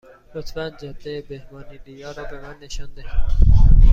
لطفا جاده به مانیلا را به من نشان دهید.